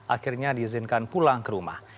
akhirnya diizinkan pulang ke rumah